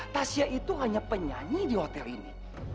tasya itu hanya penyanyi di hotel ini